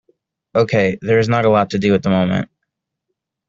Okay, there is not a lot to do at the moment.